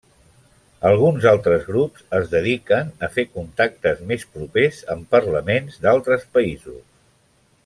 Alguns altres grups es dediquen a fer contactes més propers amb parlaments d'altres països.